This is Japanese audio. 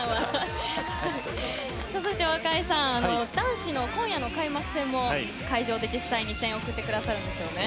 そして若井さん今夜の男子の開幕戦も会場で実際に応援してくださるんですよね。